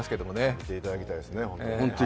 見ていただきたいですね、本当に。